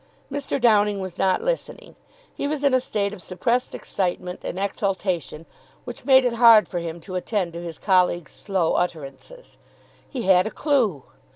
Mr. Downing was not listening. He was in a state of suppressed excitement and exultation which made it hard for him to attend to his colleague's slow utterances. He had a clue!